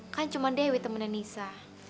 kan cuma dewi temennya nisa